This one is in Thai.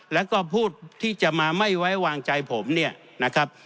แล้วก็พูดที่จะมาไม่ไว้วางใจผมเนี่ยนะครับ